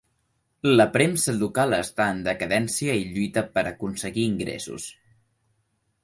La premsa local està en decadència i lluita per aconseguir ingressos.